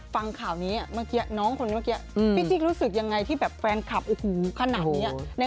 ฟังข่าวนี้เมื่อกี้น้องคนนี้เมื่อกี้พี่จิ๊กรู้สึกยังไงที่แบบแฟนคลับโอ้โหขนาดนี้